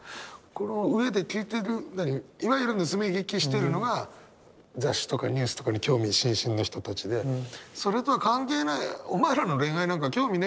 この上で聞いてるいわゆる盗み聞きしてるのが雑誌とかニュースとかに興味津々の人たちでそれとは関係ない「お前らの恋愛なんか興味ねえよ」って